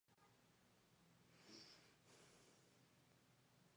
Fue padre de Jakob Fugger "el rico".